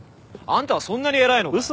あんたはそんなに偉いのかよ！